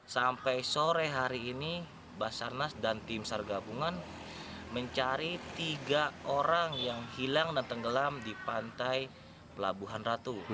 sampai sore hari ini basarnas dan tim sargabungan mencari tiga orang yang hilang dan tenggelam di pantai pelabuhan ratu